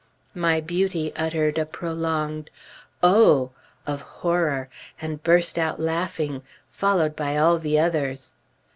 My Beauty uttered a prolonged "Oh!" of horror, and burst out laughing, followed by all the others.